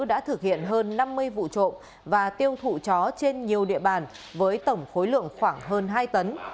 đã thực hiện hơn năm mươi vụ trộm và tiêu thụ chó trên nhiều địa bàn với tổng khối lượng khoảng hơn hai tấn